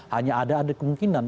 hanya ada kemungkinan